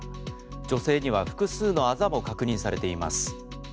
女性には複数のあざも確認されています。